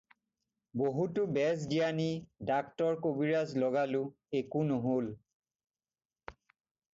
বহুতো বেজ- জ্ঞানী, ডাক্তৰ কবিৰাজ লগালোঁ, একো নহ'ল।